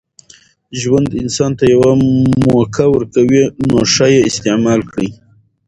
ژوند انسان ته یوه موکه ورکوي، نوښه ئې استعیمال کړئ!